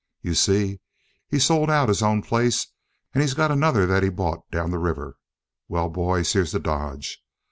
You see, he sold out his own place and he's going to another that he bought down the river. Well, boys, here's the dodge.